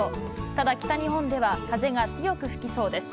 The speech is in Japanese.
ただ北日本では、風が強く吹きそうです。